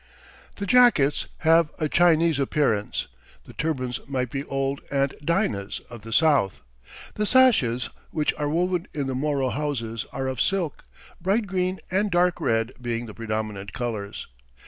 The jackets have a Chinese appearance. The turbans might be old Aunt Dinah's of the South. The sashes, which are woven in the Moro houses, are of silk, bright green and dark red being the predominant colours.